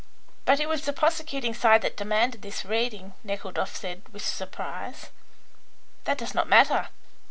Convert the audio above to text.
"But it was the prosecuting side that demanded this reading," Nekhludoff said, with surprise. "That does not matter.